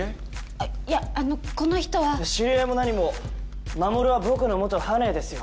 あっいやあのこの人は知り合いも何もまもるは僕の元ハニーですよ